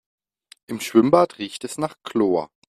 Im Schwimmbad riecht es nach Chlor.